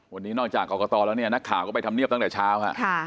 วันนี้นอกจากกรกตแล้วเนี่ยนักข่าวก็ไปทำเนียบตั้งแต่เช้าฮะ